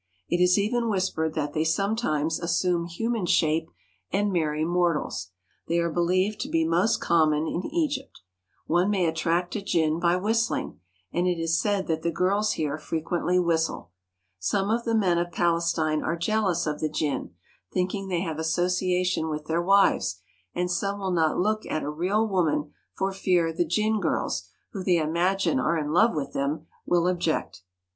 It is even whispered that they sometimes as sume human shape and marry mortals. They are be lieved to be most common in Egypt. One may attract a jinn by whistling, and it is said that the girls here frequently whistle. Some of the men of Palestine are jealous of the jinn, thinking they have association with their wives, and some will not look at a real woman for fear the jinn girls, who they imagine are in love with them, will object.